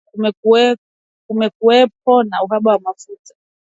Kumekuwepo na uhaba wa mafuta